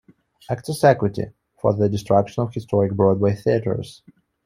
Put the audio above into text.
Actors' Equity fought the destruction of historic Broadway theaters.